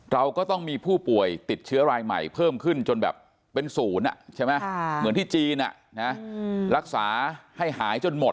เราก็ต้องมีผู้ป่วยติดเชื้อรายใหม่เพิ่มขึ้นจนแบบเป็นศูนย์